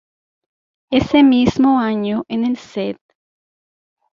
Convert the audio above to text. Ese mismo año, en el St.